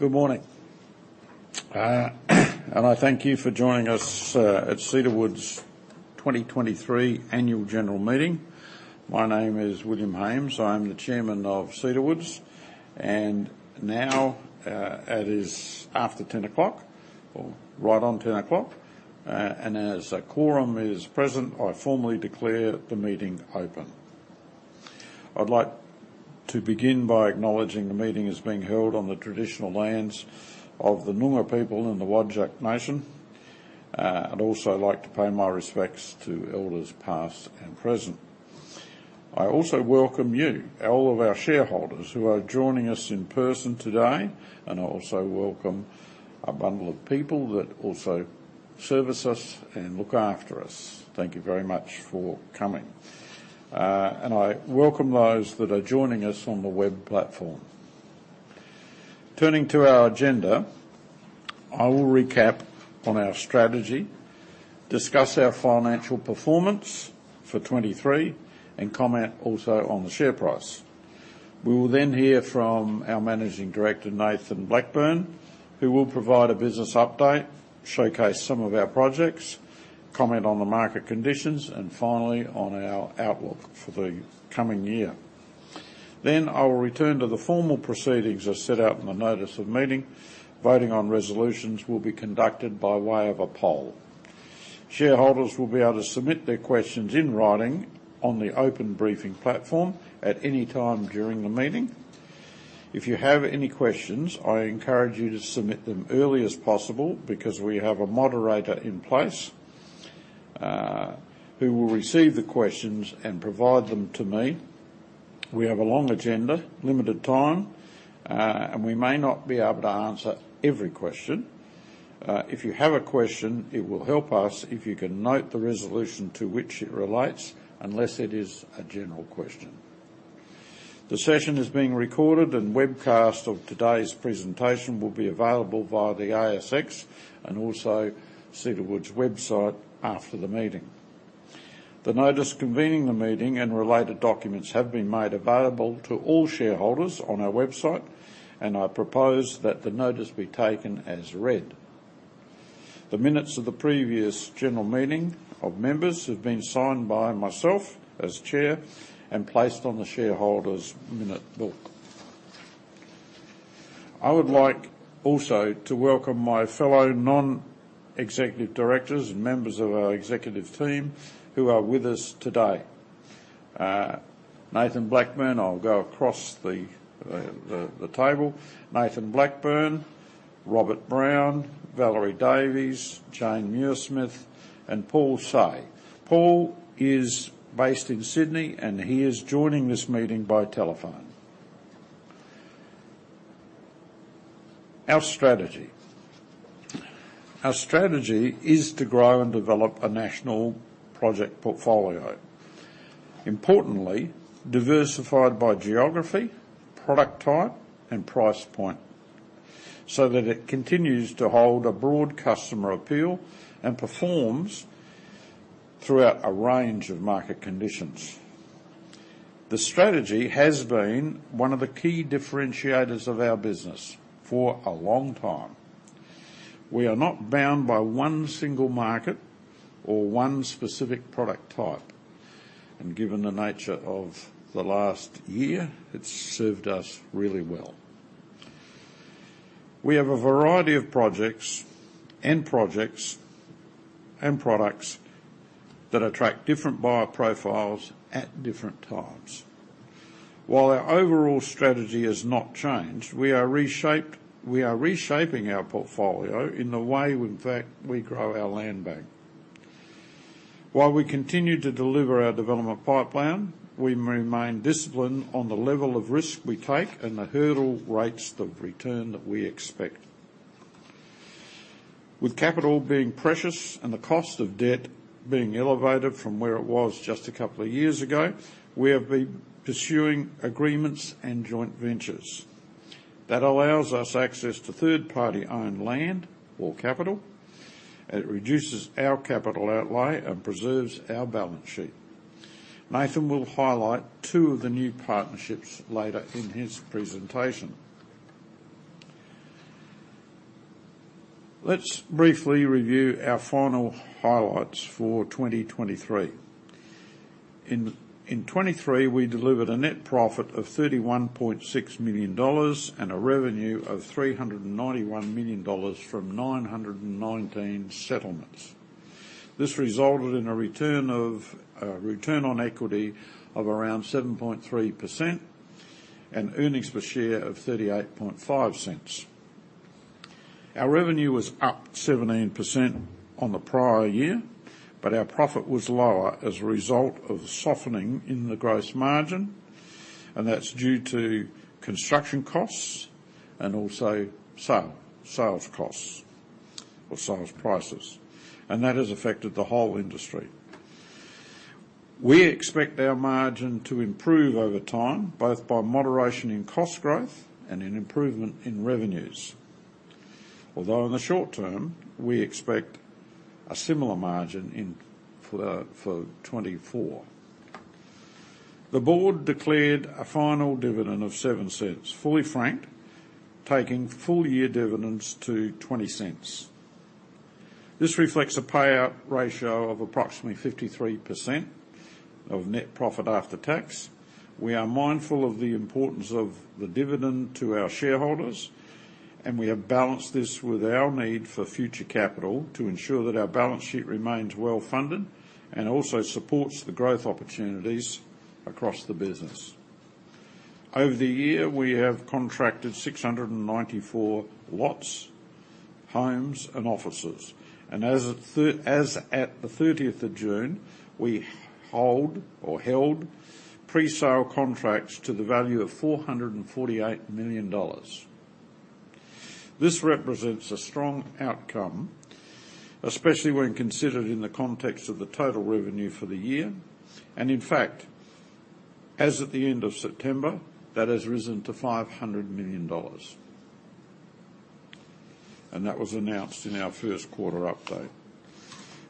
Good morning. I thank you for joining us at Cedar Woods' 2023 Annual General Meeting. My name is William Hames. I'm the Chairman of Cedar Woods, and now, it is after 10 o'clock, or right on 10 o'clock. As a quorum is present, I formally declare the meeting open. I'd like to begin by acknowledging the meeting is being held on the traditional lands of the Noongar people and the Whadjuk nation. I'd also like to pay my respects to elders, past and present. I also welcome you, all of our shareholders, who are joining us in person today, and I also welcome a bundle of people that also service us and look after us. Thank you very much for coming. I welcome those that are joining us on the web platform. Turning to our agenda, I will recap on our strategy, discuss our financial performance for 2023, and comment also on the share price. We will then hear from our Managing Director, Nathan Blackburne, who will provide a business update, showcase some of our projects, comment on the market conditions, and finally, on our outlook for the coming year. Then I will return to the formal proceedings as set out in the notice of meeting. Voting on resolutions will be conducted by way of a poll. Shareholders will be able to submit their questions in writing on the open briefing platform at any time during the meeting. If you have any questions, I encourage you to submit them early as possible, because we have a moderator in place, who will receive the questions and provide them to me. We have a long agenda, limited time, and we may not be able to answer every question. If you have a question, it will help us if you can note the resolution to which it relates, unless it is a general question. The session is being recorded, and webcast of today's presentation will be available via the ASX and also Cedar Woods' website after the meeting. The notice convening the meeting and related documents have been made available to all shareholders on our website, and I propose that the notice be taken as read. The minutes of the previous general meeting of members have been signed by myself as chair and placed on the shareholders' minute book. I would like also to welcome my fellow non-executive directors and members of our executive team who are with us today. Nathan Blackburne, I'll go across the table. Nathan Blackburne, Robert Brown, Valerie Davies, JJane Muirsmith, and Paul Say. Paul is based in Sydney, and he is joining this meeting by telephone. Our strategy. Our strategy is to grow and develop a national project portfolio. Importantly, diversified by geography, product type, and price point, so that it continues to hold a broad customer appeal and performs throughout a range of market conditions. The strategy has been one of the key differentiators of our business for a long time. We are not bound by one single market or one specific product type, and given the nature of the last year, it's served us really well. We have a variety of projects, and projects, and products that attract different buyer profiles at different times. While our overall strategy has not changed, we are reshaping our portfolio in the way in fact we grow our land bank. While we continue to deliver our development pipeline, we remain disciplined on the level of risk we take and the hurdle rates, the return that we expect. With capital being precious and the cost of debt being elevated from where it was just a couple of years ago, we have been pursuing agreements and joint ventures. That allows us access to third-party-owned land or capital, it reduces our capital outlay, and preserves our balance sheet. Nathan will highlight two of the new partnerships later in his presentation. Let's briefly review our final highlights for 2023. In 2023, we delivered a net profit of 31.6 million dollars and a revenue of 391 million dollars from 919 settlements. This resulted in a return of, return on equity of around 7.3% and earnings per share of 0.385. Our revenue was up 17% on the prior year, but our profit was lower as a result of the softening in the gross margin, and that's due to construction costs and also sales costs or sales prices, and that has affected the whole industry. We expect our margin to improve over time, both by moderation in cost growth and an improvement in revenues. Although in the short term, we expect a similar margin in, for, for 2024. The board declared a final dividend of 0.07, fully franked, taking full year dividends to 0.20. This reflects a payout ratio of approximately 53% of net profit after tax. We are mindful of the importance of the dividend to our shareholders, and we have balanced this with our need for future capital to ensure that our balance sheet remains well-funded and also supports the growth opportunities across the business. Over the year, we have contracted 694 lots, homes, and offices, and as at the 30th of June, we hold or held presale contracts to the value of 448 million dollars. This represents a strong outcome, especially when considered in the context of the total revenue for the year, and in fact, as at the end of September, that has risen to 500 million dollars. And that was announced in our first quarter update.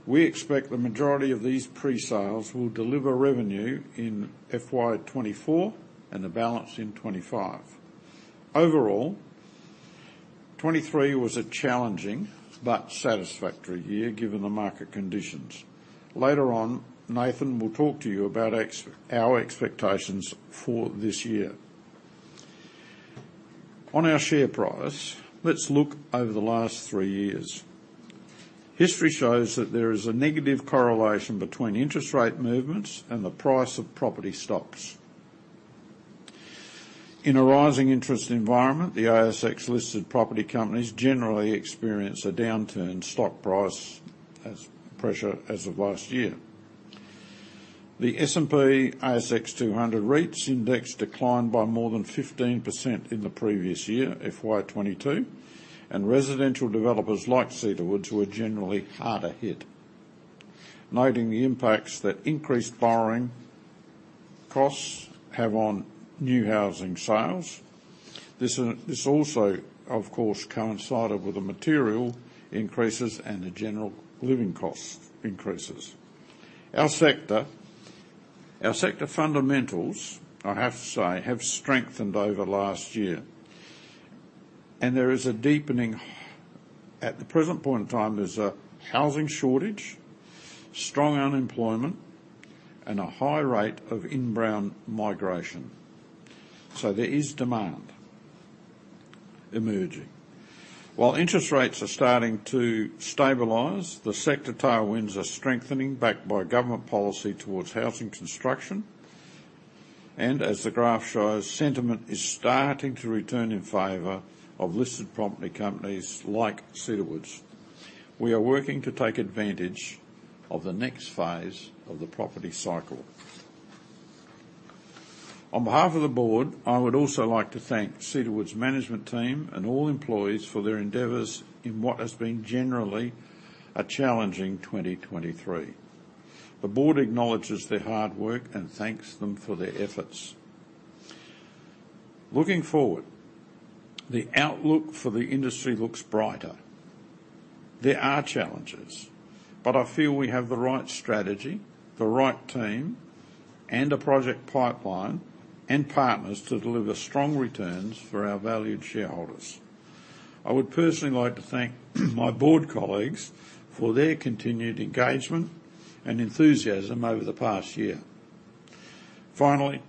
We expect the majority of these presales will deliver revenue in FY 2024 and the balance in 2025. Overall, 2023 was a challenging but satisfactory year, given the market conditions. Later on, Nathan will talk to you about our expectations for this year. On our share price, let's look over the last 3 years. History shows that there is a negative correlation between interest rate movements and the price of property stocks. In a rising interest environment, the ASX-listed property companies generally experience a downturn stock price as pressure as of last year. The S&P ASX 200 REITs index declined by more than 15% in the previous year, FY 2022, and residential developers like Cedar Woods were generally harder hit, noting the impacts that increased borrowing costs have on new housing sales. This also, of course, coincided with the material increases and the general living cost increases. Our sector, our sector fundamentals, I have to say, have strengthened over last year, and there is a deepening. At the present point in time, there's a housing shortage, strong unemployment, and a high rate of inbound migration. So there is demand emerging. While interest rates are starting to stabilize, the sector tailwinds are strengthening, backed by government policy towards housing construction. As the graph shows, sentiment is starting to return in favor of listed property companies like Cedar Woods. We are working to take advantage of the next phase of the property cycle. On behalf of the board, I would also like to thank Cedar Woods' management team and all employees for their endeavors in what has been generally a challenging 2023. The board acknowledges their hard work and thanks them for their efforts. Looking forward, the outlook for the industry looks brighter. There are challenges, but I feel we have the right strategy, the right team, and a project pipeline and partners to deliver strong returns for our valued shareholders. I would personally like to thank my board colleagues for their continued engagement and enthusiasm over the past year. Finally,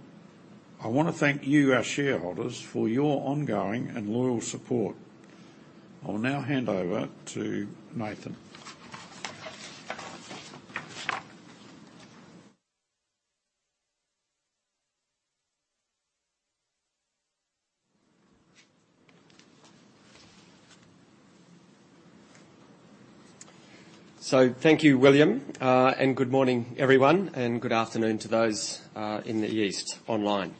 I want to thank you, our shareholders, for your ongoing and loyal support. I will now hand over to Nathan. So thank you, William, and good morning, everyone, and good afternoon to those in the East online.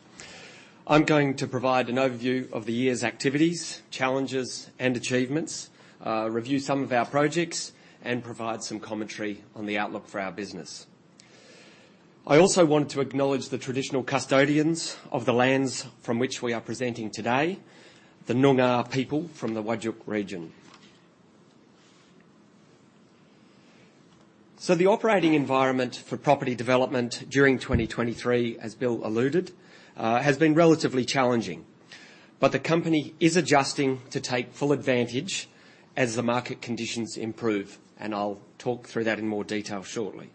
I'm going to provide an overview of the year's activities, challenges, and achievements, review some of our projects, and provide some commentary on the outlook for our business. I also want to acknowledge the traditional custodians of the lands from which we are presenting today, the Noongar people from the Whadjuk region. So the operating environment for property development during 2023, as Bill alluded, has been relatively challenging, but the company is adjusting to take full advantage as the market conditions improve, and I'll talk through that in more detail shortly.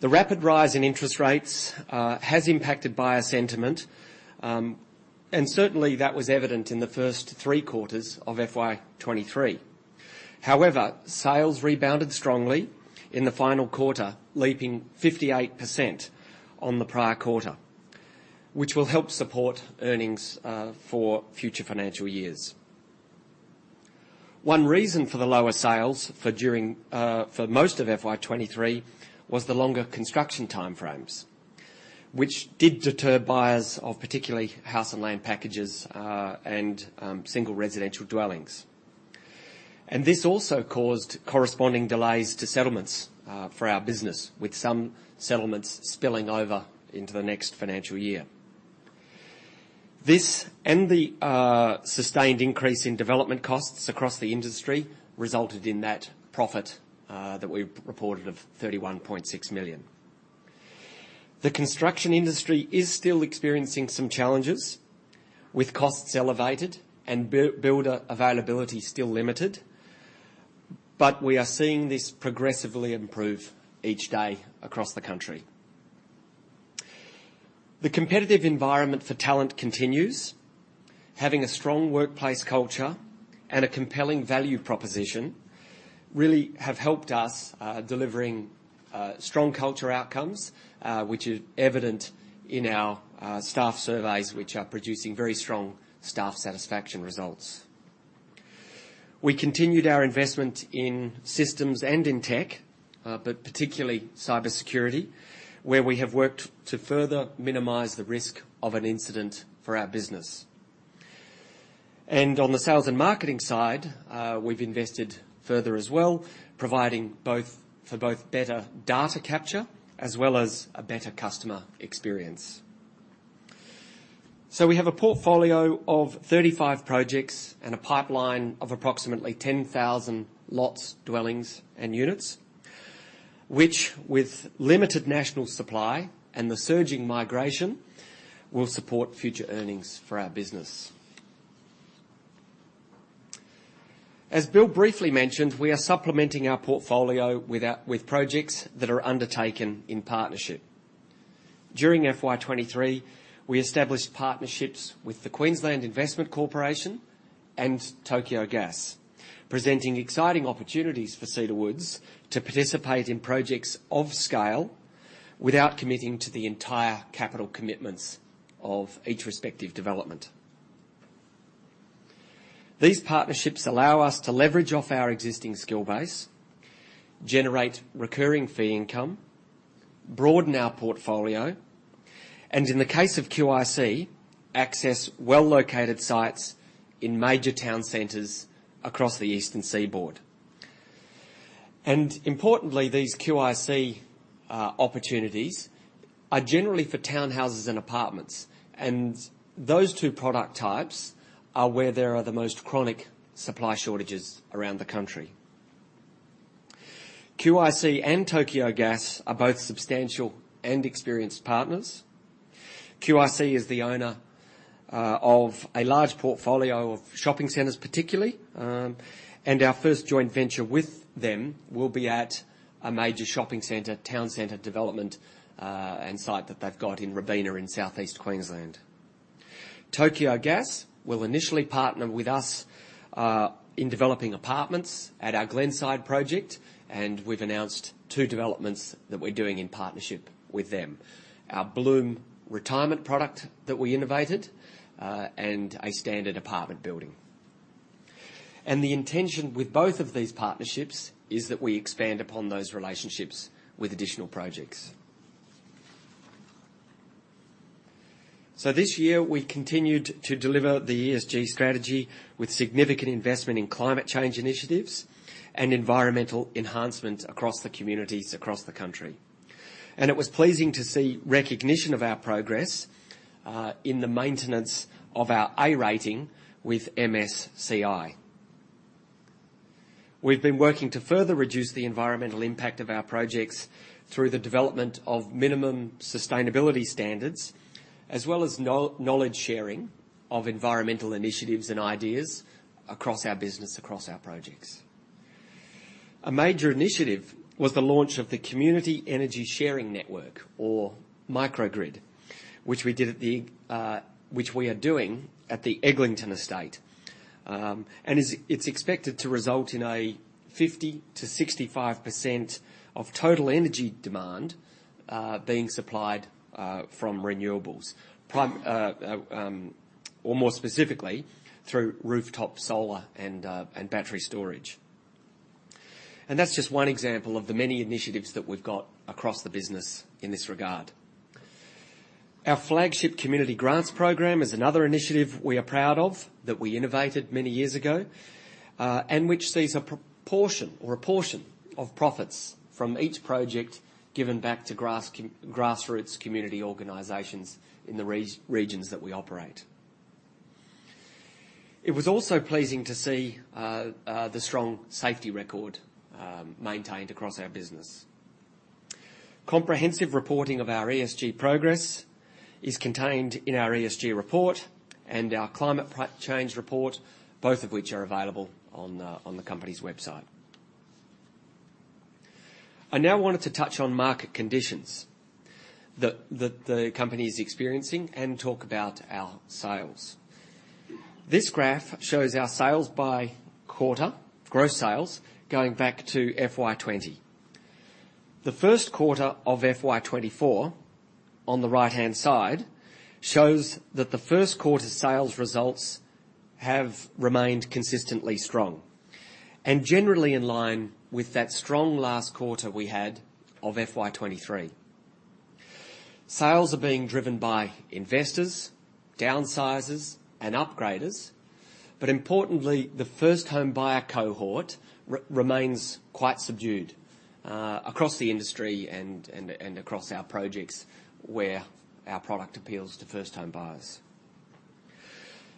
The rapid rise in interest rates has impacted buyer sentiment, and certainly that was evident in the first three quarters of FY23. However, sales rebounded strongly in the final quarter, leaping 58% on the prior quarter, which will help support earnings for future financial years. One reason for the lower sales during for most of FY 2023 was the longer construction timeframes, which did deter buyers of particularly house and land packages and single residential dwellings. This also caused corresponding delays to settlements for our business, with some settlements spilling over into the next financial year. This and the sustained increase in development costs across the industry resulted in that profit that we've reported of 31.6 million. The construction industry is still experiencing some challenges, with costs elevated and builder availability still limited, but we are seeing this progressively improve each day across the country. The competitive environment for talent continues. Having a strong workplace culture and a compelling value proposition really have helped us delivering strong culture outcomes, which is evident in our staff surveys, which are producing very strong staff satisfaction results. We continued our investment in systems and in tech, but particularly cybersecurity, where we have worked to further minimize the risk of an incident for our business. And on the sales and marketing side, we've invested further as well, providing for both better data capture as well as a better customer experience. So we have a portfolio of 35 projects and a pipeline of approximately 10,000 lots, dwellings, and units, which, with limited national supply and the surging migration, will support future earnings for our business. As Bill briefly mentioned, we are supplementing our portfolio with projects that are undertaken in partnership. During FY 2023, we established partnerships with the Queensland Investment Corporation and Tokyo Gas, presenting exciting opportunities for Cedar Woods to participate in projects of scale without committing to the entire capital commitments of each respective development. These partnerships allow us to leverage off our existing skill base, generate recurring fee income, broaden our portfolio, and in the case of QIC, access well-located sites in major town centers across the eastern seaboard. Importantly, these QIC opportunities are generally for townhouses and apartments, and those two product types are where there are the most chronic supply shortages around the country. QIC and Tokyo Gas are both substantial and experienced partners. QIC is the owner of a large portfolio of shopping centers, particularly. And our first joint venture with them will be at a major shopping center, town center development, and site that they've got in Robina, in Southeast Queensland. Tokyo Gas will initially partner with us in developing apartments at our Glenside project, and we've announced two developments that we're doing in partnership with them: our Bloom retirement product that we innovated, and a standard apartment building. The intention with both of these partnerships is that we expand upon those relationships with additional projects. This year, we continued to deliver the ESG strategy with significant investment in climate change initiatives and environmental enhancements across the communities across the country. It was pleasing to see recognition of our progress in the maintenance of our A rating with MSCI. We've been working to further reduce the environmental impact of our projects through the development of minimum sustainability standards, as well as knowledge sharing of environmental initiatives and ideas across our business, across our projects. A major initiative was the launch of the Community Energy Sharing Network, or Microgrid, which we are doing at the Eglinton Estate. And it's expected to result in a 50%-65% of total energy demand being supplied from renewables. Or more specifically, through rooftop solar and battery storage. And that's just one example of the many initiatives that we've got across the business in this regard. Our flagship community grants program is another initiative we are proud of, that we innovated many years ago, and which sees a proportion or a portion of profits from each project given back to grassroots community organizations in the regions that we operate. It was also pleasing to see the strong safety record maintained across our business. Comprehensive reporting of our ESG progress is contained in our ESG report and our climate change report, both of which are available on the company's website. I now wanted to touch on market conditions that the company is experiencing and talk about our sales. This graph shows our sales by quarter, gross sales, going back to FY 2020. The first quarter of FY 2024, on the right-hand side, shows that the first quarter sales results have remained consistently strong and generally in line with that strong last quarter we had of FY 2023. Sales are being driven by investors, downsizers, and upgraders, but importantly, the first home buyer cohort remains quite subdued across the industry and across our projects, where our product appeals to first-time buyers.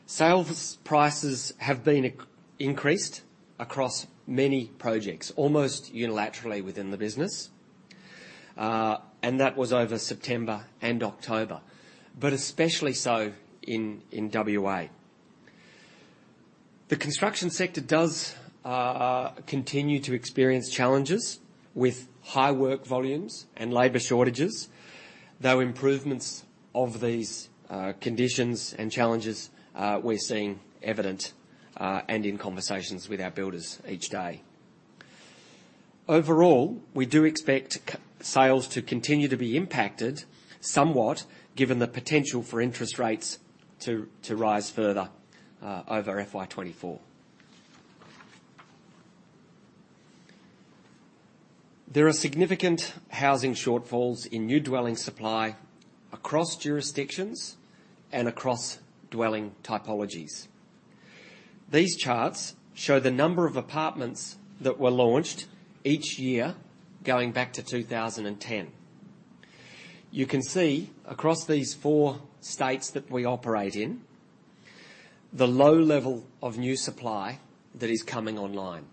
Sales prices have been increased across many projects, almost unilaterally within the business, and that was over September and October, but especially so in WA. The construction sector does continue to experience challenges with high work volumes and labor shortages, though improvements of these conditions and challenges we're seeing evident and in conversations with our builders each day. Overall, we do expect sales to continue to be impacted somewhat, given the potential for interest rates to rise further over FY 2024. There are significant housing shortfalls in new dwelling supply across jurisdictions and across dwelling typologies. These charts show the number of apartments that were launched each year going back to 2010. You can see across these four states that we operate in, the low level of new supply that is coming online,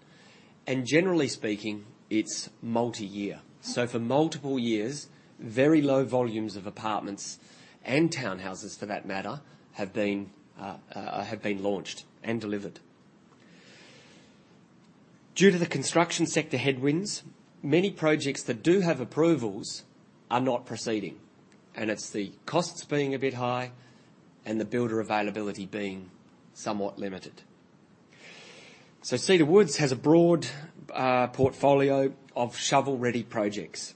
and generally speaking, it's multi-year. So for multiple years, very low volumes of apartments and townhouses, for that matter, have been launched and delivered. Due to the construction sector headwinds, many projects that do have approvals are not proceeding, and it's the costs being a bit high and the builder availability being somewhat limited. So Cedar Woods has a broad, portfolio of shovel-ready projects,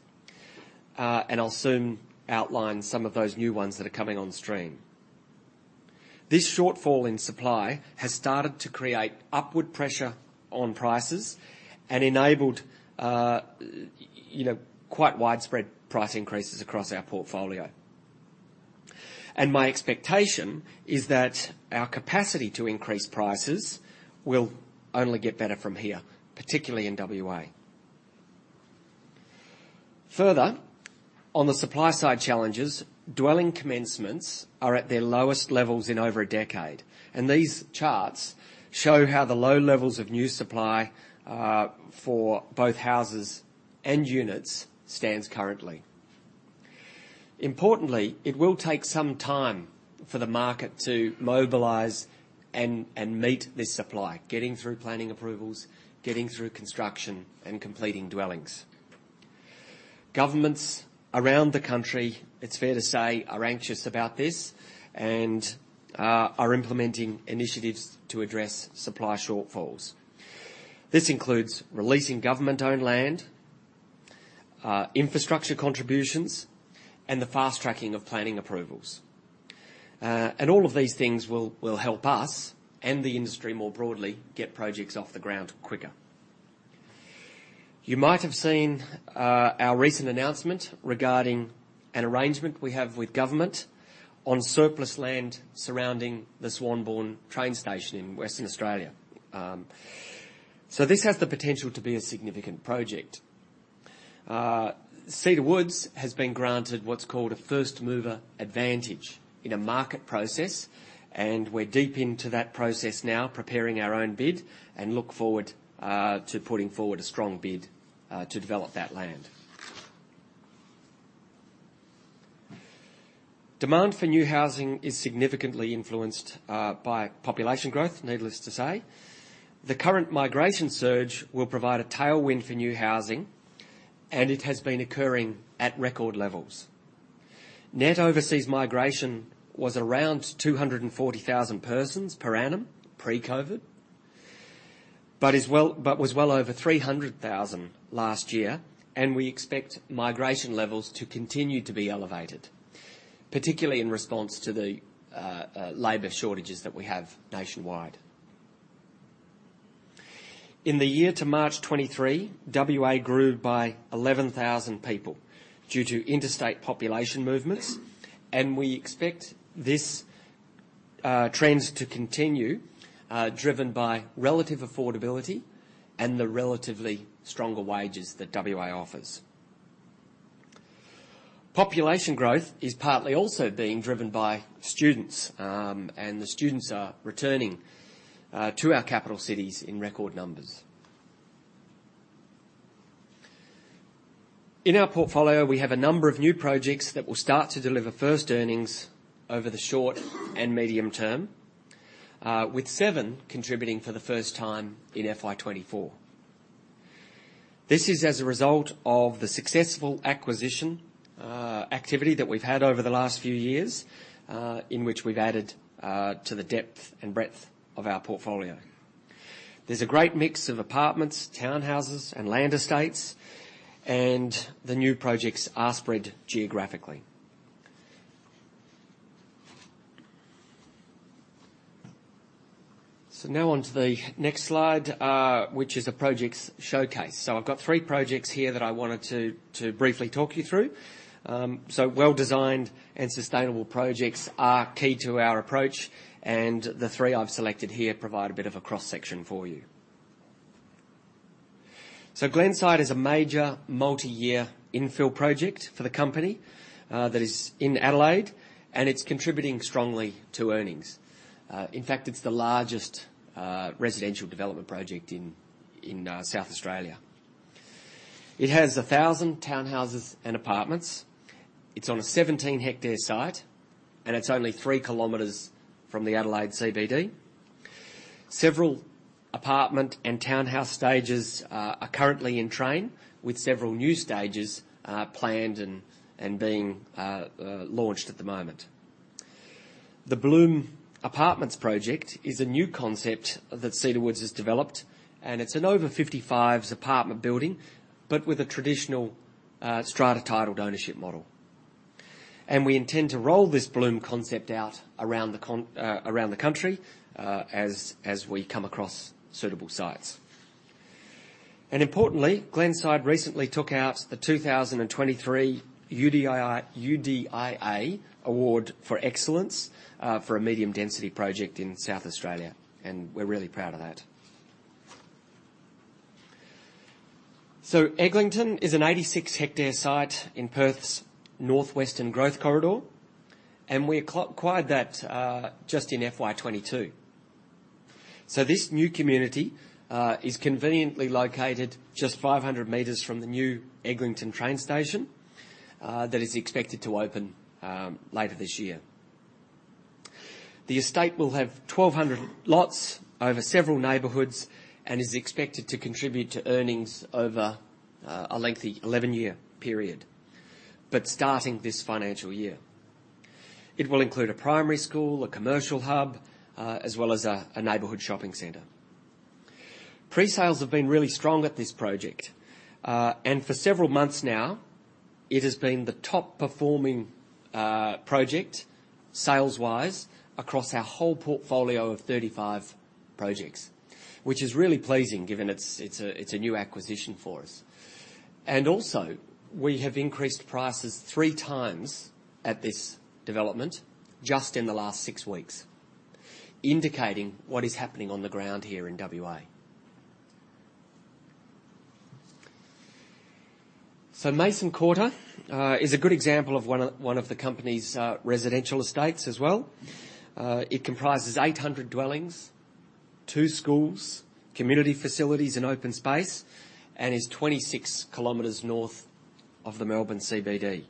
and I'll soon outline some of those new ones that are coming on stream. This shortfall in supply has started to create upward pressure on prices and enabled, you know, quite widespread price increases across our portfolio. And my expectation is that our capacity to increase prices will only get better from here, particularly in WA. Further, on the supply side challenges, dwelling commencements are at their lowest levels in over a decade, and these charts show how the low levels of new supply, for both houses and units stands currently. Importantly, it will take some time for the market to mobilize and meet this supply, getting through planning approvals, getting through construction, and completing dwellings. Governments around the country, it's fair to say, are anxious about this and are implementing initiatives to address supply shortfalls. This includes releasing government-owned land, infrastructure contributions, and the fast-tracking of planning approvals. All of these things will help us and the industry, more broadly, get projects off the ground quicker. You might have seen our recent announcement regarding an arrangement we have with government on surplus land surrounding the Swanbourne train station in Western Australia. This has the potential to be a significant project. Cedar Woods has been granted what's called a first-mover advantage in a market process, and we're deep into that process now, preparing our own bid, and look forward to putting forward a strong bid to develop that land. Demand for new housing is significantly influenced by population growth, needless to say. The current migration surge will provide a tailwind for new housing, and it has been occurring at record levels. Net overseas migration was around 240,000 persons per annum pre-COVID, but is well, but was well over 300,000 last year, and we expect migration levels to continue to be elevated, particularly in response to the labor shortages that we have nationwide. In the year to March 2023, WA grew by 11,000 people due to interstate population movements, and we expect this trends to continue driven by relative affordability and the relatively stronger wages that WA offers. Population growth is partly also being driven by students, and the students are returning to our capital cities in record numbers. In our portfolio, we have a number of new projects that will start to deliver first earnings over the short and medium term, with seven contributing for the first time in FY 2024. This is as a result of the successful acquisition activity that we've had over the last few years, in which we've added to the depth and breadth of our portfolio. There's a great mix of apartments, townhouses, and land estates, and the new projects are spread geographically. So now on to the next slide, which is a projects showcase. So I've got three projects here that I wanted to briefly talk you through. So well-designed and sustainable projects are key to our approach, and the three I've selected here provide a bit of a cross-section for you. So Glenside is a major multi-year infill project for the company that is in Adelaide, and it's contributing strongly to earnings. In fact, it's the largest residential development project in South Australia. It has 1,000 townhouses and apartments. It's on a 17-hectare site, and it's only 3 kilometers from the Adelaide CBD. Several apartment and townhouse stages are currently in train, with several new stages planned and being launched at the moment. The Bloom Apartments project is a new concept that Cedar Woods has developed, and it's an over-55s apartment building, but with a traditional strata-titled ownership model. And we intend to roll this Bloom concept out around the country as we come across suitable sites. Importantly, Glenside recently took out the 2023 UDIA Award for Excellence for a medium-density project in South Australia, and we're really proud of that. Eglinton is an 86-hectare site in Perth's northwestern growth corridor, and we acquired that just in FY 2022. This new community is conveniently located just 500 meters from the new Eglinton train station that is expected to open later this year. The estate will have 1,200 lots over several neighborhoods and is expected to contribute to earnings over a lengthy 11-year period, but starting this financial year. It will include a primary school, a commercial hub, as well as a neighborhood shopping center. Presales have been really strong at this project, and for several months now, it has been the top performing project, sales-wise, across our whole portfolio of 35 projects, which is really pleasing, given it's a new acquisition for us. Also, we have increased prices three times at this development just in the last six weeks, indicating what is happening on the ground here in WA. Mason Quarter is a good example of one of the company's residential estates as well. It comprises 800 dwellings, two schools, community facilities and open space, and is 26 kilometers north of the Melbourne CBD.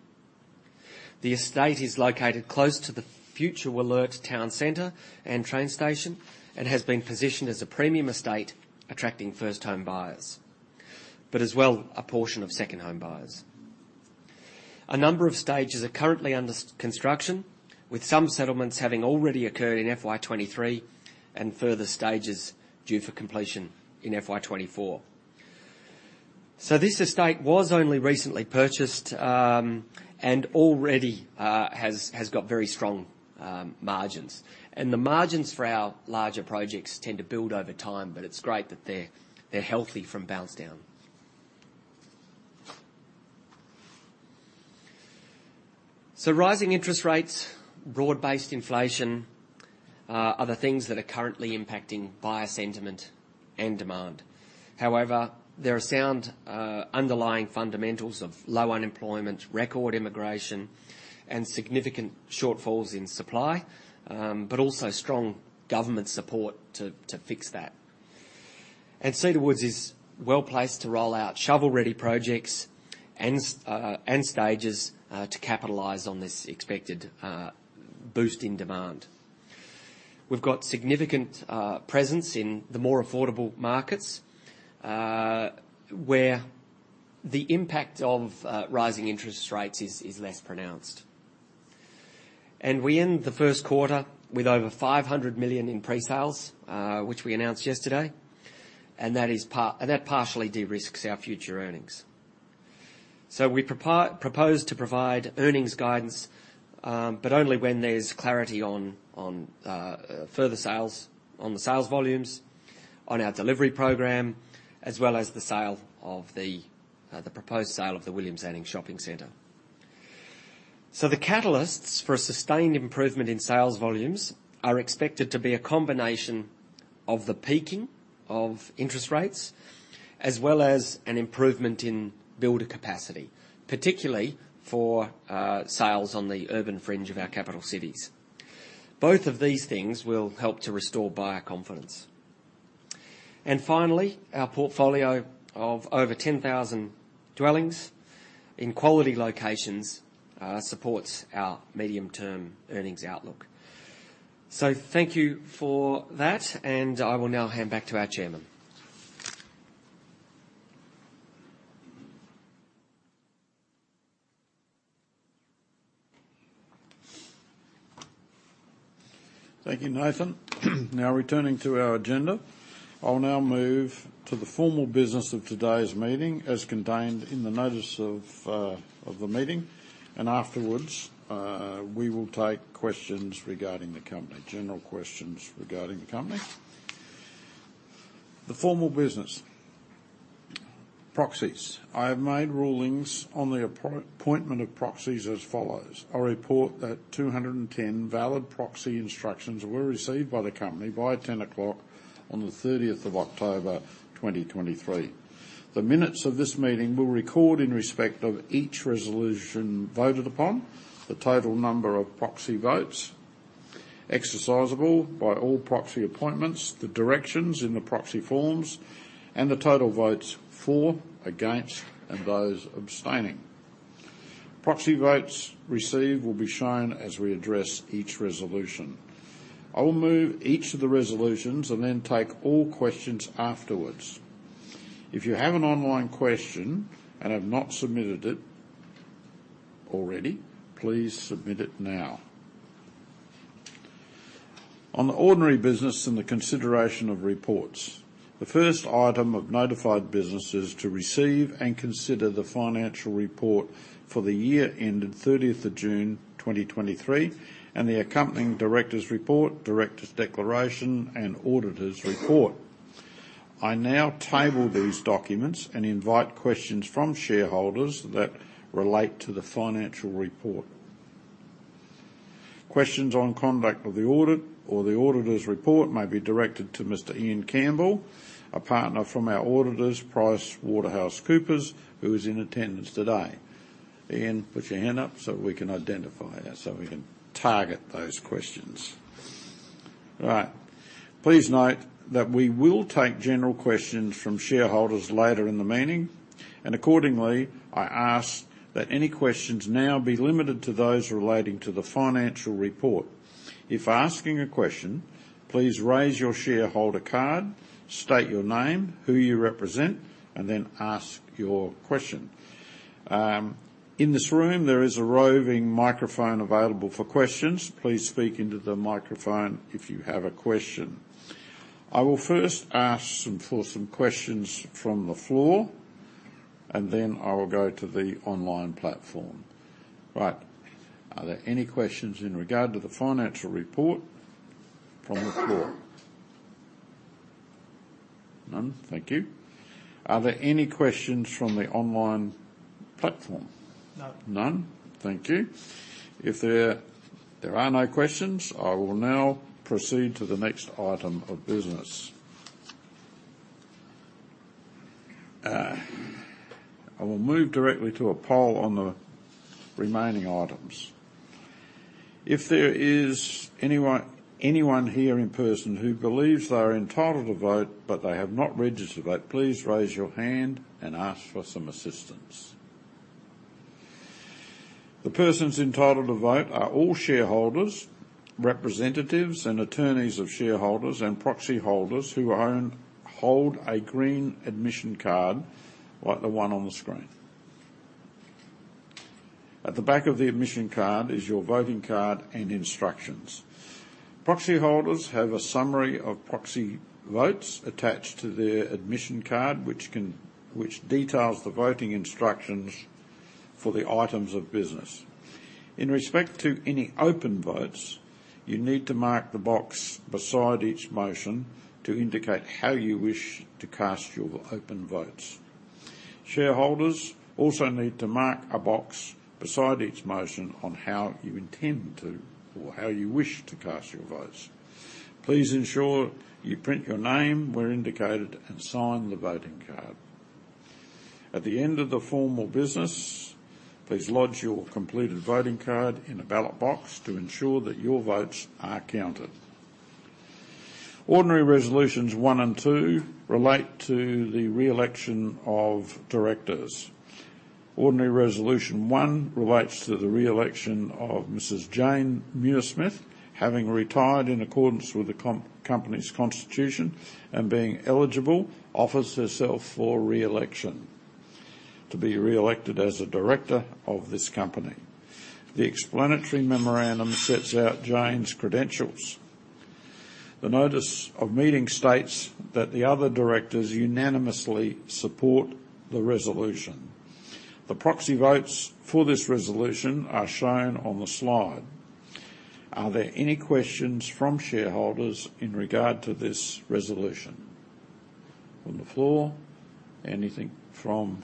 The estate is located close to the future Wollert town center and train station and has been positioned as a premium estate, attracting first-time buyers, but as well, a portion of second-home buyers. A number of stages are currently under construction, with some settlements having already occurred in FY23 and further stages due for completion in FY24. So this estate was only recently purchased, and already has got very strong margins. And the margins for our larger projects tend to build over time, but it's great that they're healthy from bounce down. So rising interest rates, broad-based inflation are the things that are currently impacting buyer sentiment and demand. However, there are sound underlying fundamentals of low unemployment, record immigration, and significant shortfalls in supply, but also strong government support to fix that. And Cedar Woods is well-placed to roll out shovel-ready projects and stages to capitalize on this expected boost in demand. We've got significant presence in the more affordable markets, where the impact of rising interest rates is less pronounced. We end the first quarter with over 500 million in pre-sales, which we announced yesterday, and that partially de-risks our future earnings. We propose to provide earnings guidance, but only when there's clarity on further sales, on the sales volumes, on our delivery program, as well as the proposed sale of the Williams Landing Shopping Centre The catalysts for a sustained improvement in sales volumes are expected to be a combination of the peaking of interest rates, as well as an improvement in builder capacity, particularly for sales on the urban fringe of our capital cities. Both of these things will help to restore buyer confidence. Finally, our portfolio of over 10,000 dwellings in quality locations supports our medium-term earnings outlook. So thank you for that, and I will now hand back to our chairman. Thank you, Nathan. Now, returning to our agenda, I'll now move to the formal business of today's meeting, as contained in the notice of the meeting, and afterwards, we will take questions regarding the company, general questions regarding the company. The formal business. Proxies. I have made rulings on the appointment of proxies as follows: I report that 210 valid proxy instructions were received by the company by 10:00 A.M. on the thirtieth of October, 2023. The minutes of this meeting will record in respect of each resolution voted upon, the total number of proxy votes exercisable by all proxy appointments, the directions in the proxy forms, and the total votes for, against, and those abstaining. Proxy votes received will be shown as we address each resolution. I will move each of the resolutions and then take all questions afterwards. If you have an online question and have not submitted it already, please submit it now. On the ordinary business and the consideration of reports, the first item of notified business is to receive and consider the financial report for the year ending 30th of June, 2023, and the accompanying directors' report, directors' declaration, and auditors' report. I now table these documents and invite questions from shareholders that relate to the financial report. Questions on conduct of the audit or the auditor's report may be directed to Mr. Ian Campbell, a partner from our auditors, PricewaterhouseCoopers, who is in attendance today. Ian, put your hand up so we can identify you, so we can target those questions. All right. Please note that we will take general questions from shareholders later in the meeting, and accordingly, I ask that any questions now be limited to those relating to the financial report. If asking a question, please raise your shareholder card, state your name, who you represent, and then ask your question. In this room, there is a roving microphone available for questions. Please speak into the microphone if you have a question. I will first ask for some questions from the floor, and then I will go to the online platform. Right. Are there any questions in regard to the financial report from the floor? None. Thank you. Are there any questions from the online platform? No. None. Thank you. If there are no questions, I will now proceed to the next item of business. I will move directly to a poll on the remaining items. If there is anyone here in person who believes they are entitled to vote, but they have not registered to vote, please raise your hand and ask for some assistance. The persons entitled to vote are all shareholders, representatives, and attorneys of shareholders and proxy holders who hold a green admission card, like the one on the screen. At the back of the admission card is your voting card and instructions. Proxy holders have a summary of proxy votes attached to their admission card, which details the voting instructions for the items of business. In respect to any open votes, you need to mark the box beside each motion to indicate how you wish to cast your open votes. Shareholders also need to mark a box beside each motion on how you intend to or how you wish to cast your votes. Please ensure you print your name where indicated, and sign the voting card. At the end of the formal business, please lodge your completed voting card in a ballot box to ensure that your votes are counted. Ordinary Resolutions One and Two relate to the re-election of directors. Ordinary Resolution One relates to the re-election of Mrs. Jane Muirsmith, having retired in accordance with the company's constitution and being eligible, offers herself for re-election to be re-elected as a director of this company. The explanatory memorandum sets out Jane's credentials. The notice of meeting states that the other directors unanimously support the resolution. The proxy votes for this resolution are shown on the slide. Are there any questions from shareholders in regard to this resolution? On the floor, anything from...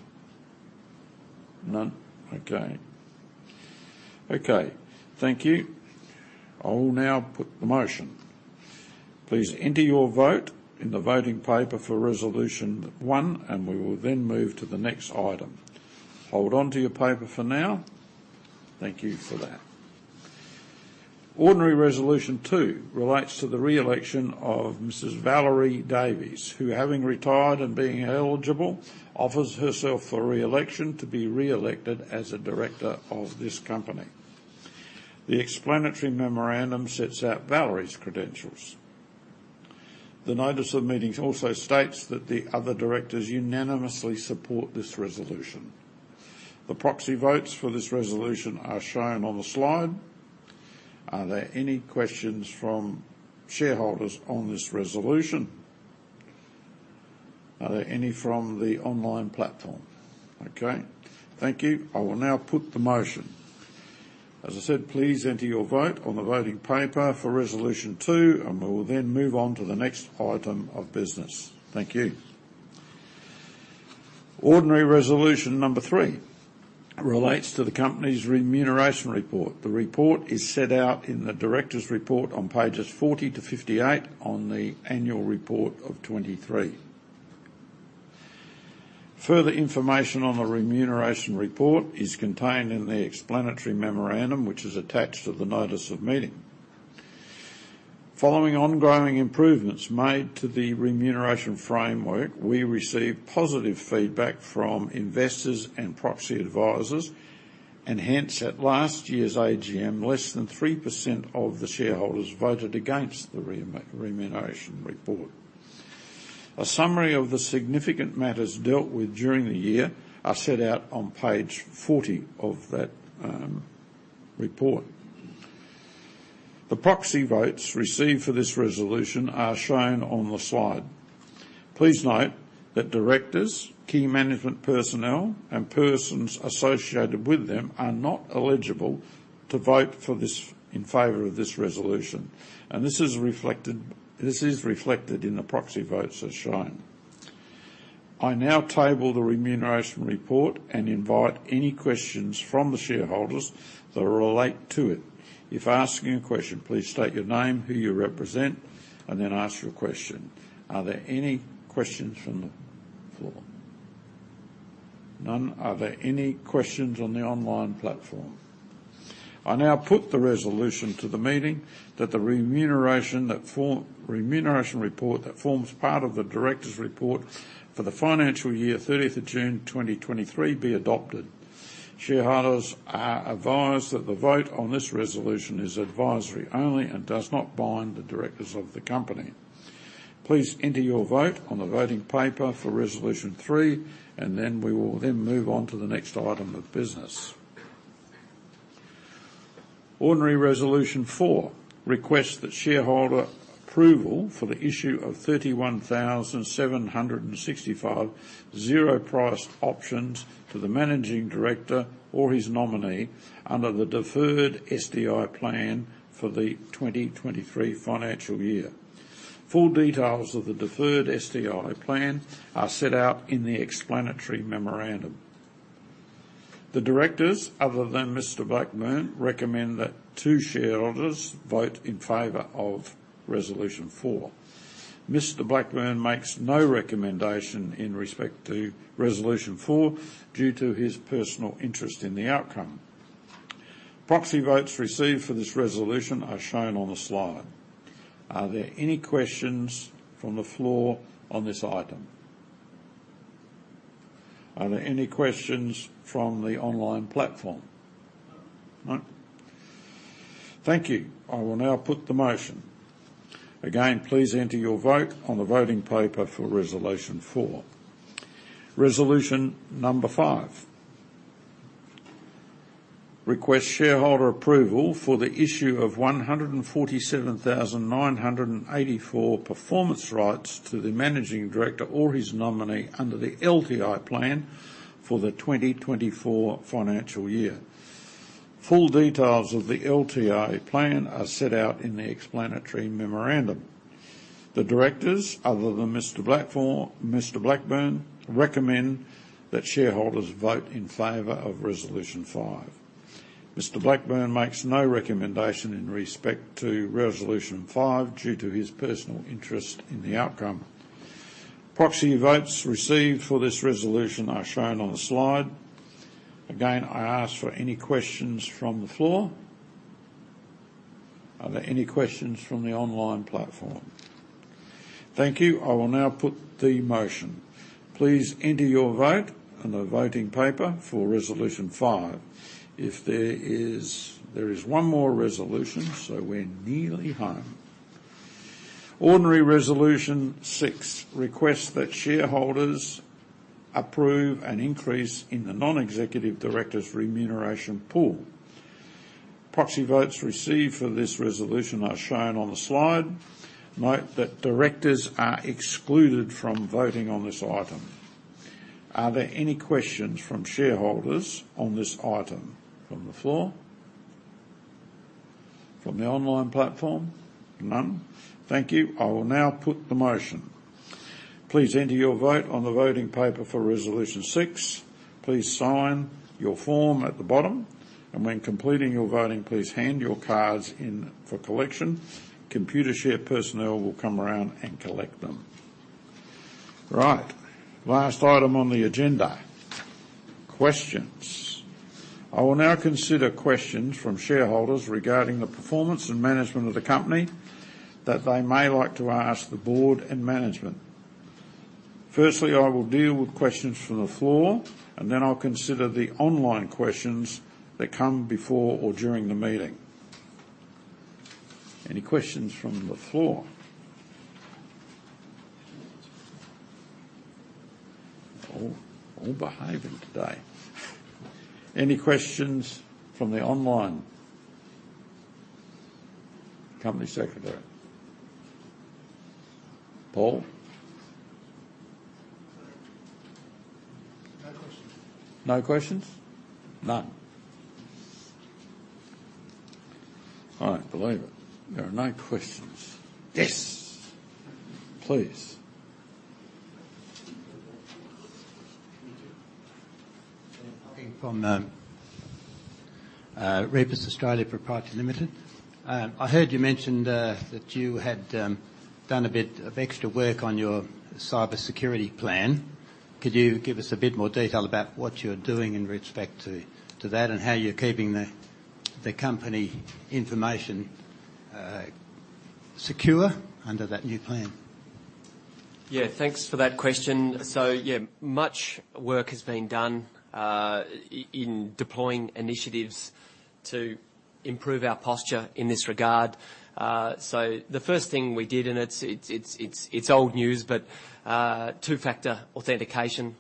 None? Okay. Okay, thank you. I will now put the motion. Please enter your vote in the voting paper for Resolution One, and we will then move to the next item. Hold on to your paper for now. Thank you for that. Ordinary Resolution Two relates to the re-election of Mrs. Valerie Davies, who, having retired and being eligible, offers herself for re-election to be re-elected as a director of this company. The explanatory memorandum sets out Valerie's credentials. The notice of meetings also states that the other directors unanimously support this resolution. The proxy votes for this resolution are shown on the slide. Are there any questions from shareholders on this resolution? Are there any from the online platform? Okay, thank you. I will now put the motion. As I said, please enter your vote on the voting paper for Resolution Two, and we will then move on to the next item of business. Thank you. Ordinary Resolution Number Three relates to the company's remuneration report. The report is set out in the directors' report on pages 40-58 on the annual report of 2023. Further information on the remuneration report is contained in the explanatory memorandum, which is attached to the notice of meeting. Following ongoing improvements made to the remuneration framework, we received positive feedback from investors and proxy advisors, and hence, at last year's AGM, less than 3% of the shareholders voted against the remuneration report. A summary of the significant matters dealt with during the year are set out on page 40 of that report. The proxy votes received for this resolution are shown on the slide. Please note that directors, key management personnel, and persons associated with them are not eligible to vote for this in favor of this resolution, and this is reflected, this is reflected in the proxy votes as shown. I now table the remuneration report and invite any questions from the shareholders that relate to it. If asking a question, please state your name, who you represent, and then ask your question. Are there any questions from the floor? None. Are there any questions on the online platform? I now put the resolution to the meeting that the remuneration that form... Remuneration report that forms part of the directors' report for the financial year, 30 June 2023, be adopted. Shareholders are advised that the vote on this resolution is advisory only and does not bind the directors of the company. Please enter your vote on the voting paper for Resolution Three, and then we will move on to the next item of business. Ordinary Resolution Four requests that shareholder approval for the issue of 31,765 zero-priced options to the managing director or his nominee under the Deferred STI Plan for the 2023 financial year. Full details of the Deferred STI Plan are set out in the explanatory memorandum. The directors, other than Mr. Blackburne, recommend that shareholders vote in favor of Resolution Four. Mr. Blackburne makes no recommendation in respect to Resolution Four due to his personal interest in the outcome. Proxy votes received for this resolution are shown on the slide. Are there any questions from the floor on this item? Are there any questions from the online platform? No. Thank you. I will now put the motion. Again, please enter your vote on the voting paper for Resolution Four. Resolution Number Five requests shareholder approval for the issue of 147,984 performance rights to the managing director or his nominee under the LTI plan for the 2024 financial year. Full details of the LTI plan are set out in the explanatory memorandum. The directors, other than Mr. Blackburn, recommend that shareholders vote in favor of Resolution Five. Mr. Blackburn makes no recommendation in respect to Resolution Five due to his personal interest in the outcome. Proxy votes received for this resolution are shown on the slide. Again, I ask for any questions from the floor. Are there any questions from the online platform? Thank you. I will now put the motion. Please enter your vote on the voting paper for Resolution Five. If there is... There is one more resolution, so we're nearly home. Ordinary Resolution Six requests that shareholders approve an increase in the non-executive directors' remuneration pool. Proxy votes received for this resolution are shown on the slide. Note that directors are excluded from voting on this item. Are there any questions from shareholders on this item from the floor? From the online platform? None. Thank you. I will now put the motion. Please enter your vote on the voting paper for Resolution Six. Please sign your form at the bottom, and when completing your voting, please hand your cards in for collection. Computershare personnel will come around and collect them. Right, last item on the agenda, questions. I will now consider questions from shareholders regarding the performance and management of the company that they may like to ask the board and management. Firstly, I will deal with questions from the floor, and then I'll consider the online questions that come before or during the meeting. Any questions from the floor? All, all behaving today. Any questions from the online, Company Secretary? Paul?... No questions. No questions? None. I don't believe it. There are no questions. Yes! Please. From Rapis Australia Proprietary Limited. I heard you mentioned that you had done a bit of extra work on your cybersecurity plan. Could you give us a bit more detail about what you're doing in respect to that, and how you're keeping the company information secure under that new plan? Yeah, thanks for that question. So yeah, much work has been done in deploying initiatives to improve our posture in this regard. So the first thing we did, and it's old news, but two-factor authentication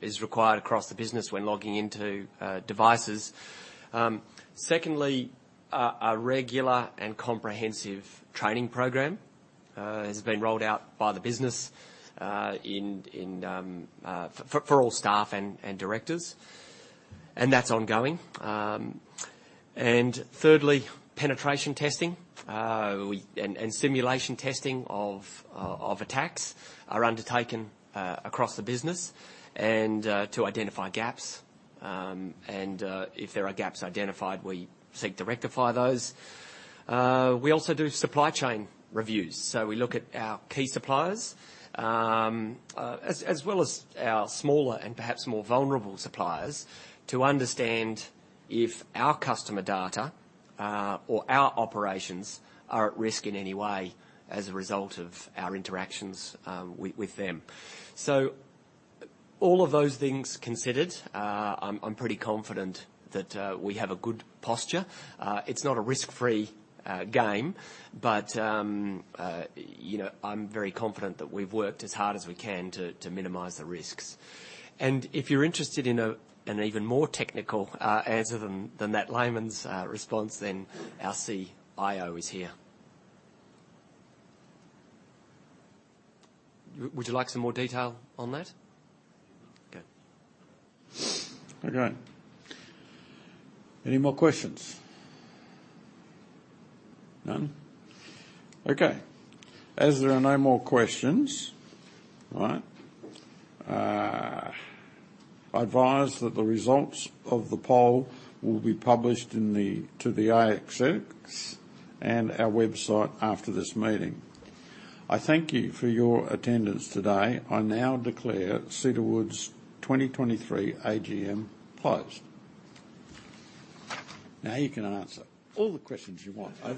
is required across the business when logging into devices. Secondly, a regular and comprehensive training program has been rolled out by the business for all staff and directors, and that's ongoing. And thirdly, penetration testing and simulation testing of attacks are undertaken across the business to identify gaps. If there are gaps identified, we seek to rectify those. We also do supply chain reviews, so we look at our key suppliers, as well as our smaller and perhaps more vulnerable suppliers, to understand if our customer data or our operations are at risk in any way as a result of our interactions with them. So all of those things considered, I'm pretty confident that we have a good posture. It's not a risk-free game, but you know, I'm very confident that we've worked as hard as we can to minimize the risks. And if you're interested in an even more technical answer than that layman's response, then our CIO is here. Would you like some more detail on that? Good. Okay. Any more questions? None. Okay. As there are no more questions, all right, I advise that the results of the poll will be published to the ASX and our website after this meeting. I thank you for your attendance today. I now declare Cedar Woods' 2023 AGM closed. Now you can answer all the questions you want, I-